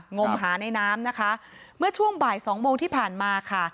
งมหาในน้ำนะคะเมื่อช่วงบ่ายสองโมงที่ผ่านมาค่ะ